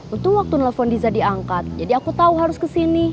itu waktu nelfon diza diangkat jadi aku tahu harus kesini